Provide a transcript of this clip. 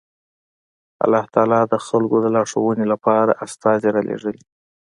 الله تعالی د خلکو د لارښوونې لپاره استازي رالېږل